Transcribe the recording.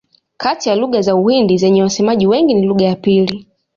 Kati ya lugha za Uhindi zenye wasemaji wengi ni lugha ya pili.